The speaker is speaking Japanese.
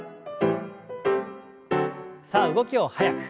さあ動きを速く。